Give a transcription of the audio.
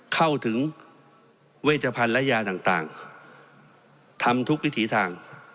เข้าถึงเวชภัณฑ์และยาต่างทำทุกวิถีทาง